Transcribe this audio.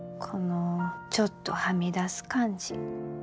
このちょっとはみ出す感じ。